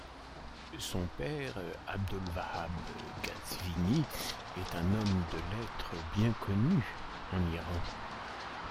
Son père Abdolvahab Ghazvini est un homme de lettres bien connu en Iran.